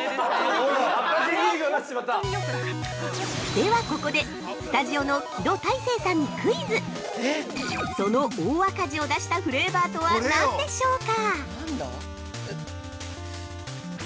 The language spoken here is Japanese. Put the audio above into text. ◆では、ここでスタジオの木戸大聖さんにクイズ！その大赤字を出したフレーバーとは何でしょうか？